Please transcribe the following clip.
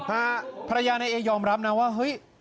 ฮะภรรยานายเอยอมรับนะว่าเฮ้ย